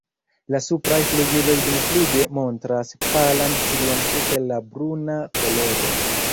La supraj flugiloj dumfluge montras palan strion super la bruna koloro.